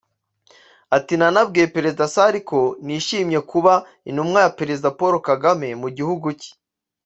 Ati "Nanabwiye Perezida Sall ko nishimiye kuba intumwa ya Perezida Paul Kagame mu gihugu cye